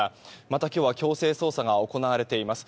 また、今日は強制捜査が行われています。